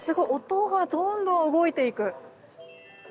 音がどんどん動いていく。